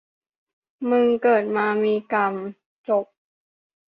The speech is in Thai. มึงเกิดมามีกรรม จบ.